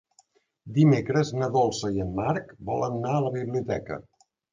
Dimecres na Dolça i en Marc volen anar a la biblioteca.